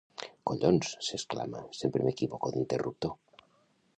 Collons! —s'exclama— Sempre m'equivoco d'interruptor!